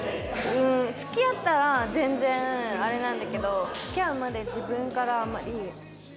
うん付き合ったら全然あれなんだけど付き合うまで自分からあんまりいけない。